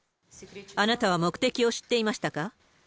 あなたは目的を知っていましたか？